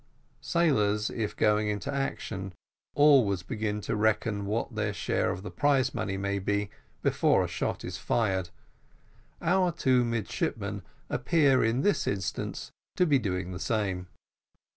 Sailors, if going into action, always begin to reckon what their share of their prize money may be, before a shot is fired our two midshipmen appear in this instance to be doing the same.